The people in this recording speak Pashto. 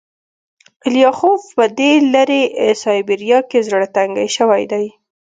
لیاخوف په دې لیرې سایبریا کې زړه تنګی شوی دی